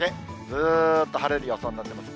ずっと晴れる予想になってます。